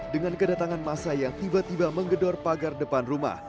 dengan kedatangan masa yang tiba tiba menggedor pagar depan rumah